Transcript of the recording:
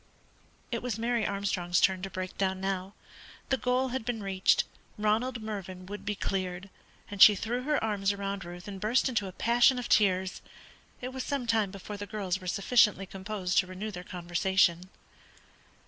It was Mary Armstrong's turn to break down now. The goal had been reached, Ronald Mervyn would be cleared; and she threw her arms round Ruth and burst into a passion of tears. It was some time before the girls were sufficiently composed to renew the conversation.